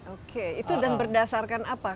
oke itu berdasarkan apa